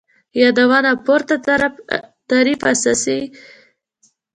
یادونه : د پورته تعریف اساسی نقاط